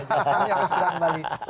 kita akan hadirkan lagi